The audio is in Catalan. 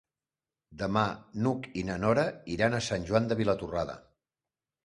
Demà n'Hug i na Nora iran a Sant Joan de Vilatorrada.